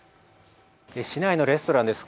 市内のレストランです。